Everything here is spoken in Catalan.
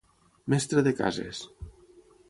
Mestre de cases.